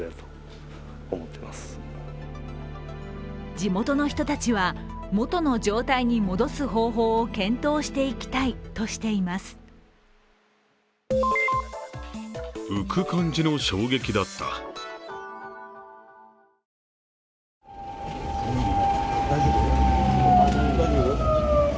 地元の人たちは、元の状態に戻す方法を検討していきたいとしています。